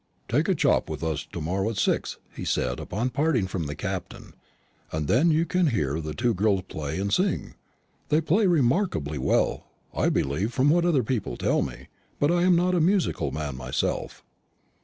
"Take a chop with us to morrow at six," he said, on parting from the Captain, "and then you can hear the two girls play and sing. They play remarkably well, I believe, from what other people tell me; but I am not a musical man myself."